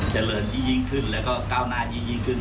เฉริญอยี่ยิ้งขึ้นแล้วก็ก้าวนานอยี่ยิ้งขึ้น